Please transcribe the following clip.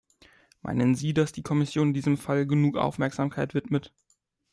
Meinen Sie, dass die Kommission diesem Fall genug Aufmerksamkeit widmet?